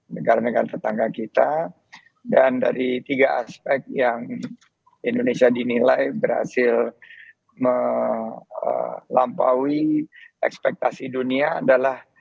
negara negara tetangga kita dan dari tiga aspek yang indonesia dinilai berhasil melampaui ekspektasi dunia adalah